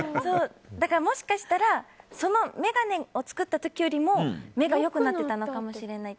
もしかしたらその眼鏡を作った時よりも目が良くなっていたのかもしれない。